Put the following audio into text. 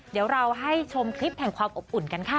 เดี๋ยวเราให้ชมคลิปแห่งความอบอุ่นกันค่ะ